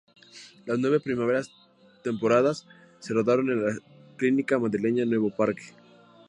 Las nueve primeras temporadas se rodaron en la clínica Madrileña Nuevo Parque.